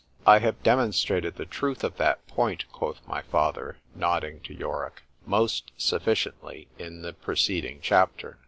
—— I have demonstrated the truth of that point, quoth my father, nodding to Yorick, most sufficiently in the preceding chapter.